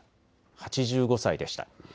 ８５歳でした。